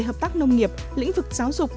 hợp tác nông nghiệp lĩnh vực giáo dục